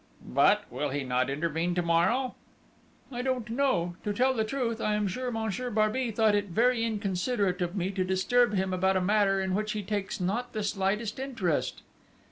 "But, will he not intervene to morrow?" "I don't know. To tell the truth, I am sure Monsieur Barbey thought it very inconsiderate of me to disturb him about a matter in which he takes not the slightest interest."